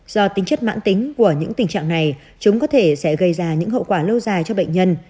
do tính chất mãn tính của những tình trạng này chúng có thể sẽ gây ra những hậu quả lâu dài cho bệnh nhân